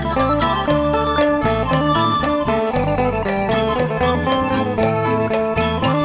สวัสดีครับสวัสดีครับ